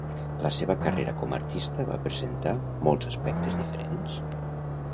La seva carrera com artista va presentar molts aspectes diferents?